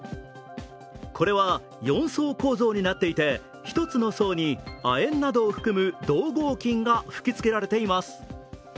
これは４層構造になっていて１つの層に亜鉛などを含む銅合金が吹き付けられています。